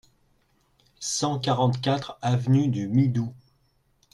cent quarante-quatre avenue du Midou